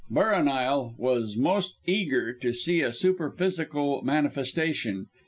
Barrahneil was most eager to see a superphysical manifestation.